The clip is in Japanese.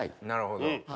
なるほど。